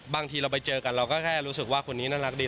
บางทีเราไปเจอกันเราก็แค่รู้สึกว่าคนนี้น่ารักดี